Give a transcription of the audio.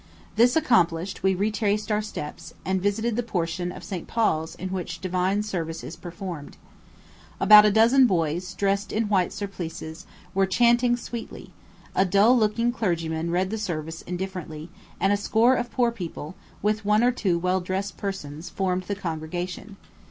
This accomplished, we retraced our steps, and visited the portion of St. Paul's in which divine service is performed. About a dozen boys, dressed in white surplices, were chanting sweetly; a dull looking clergyman read the service indifferently; and a score of poor people, with one or two well dressed persons, formed the congregation.